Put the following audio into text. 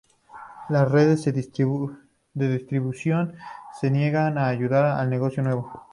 Las redes de distribución se niegan a ayudar al negocio nuevo.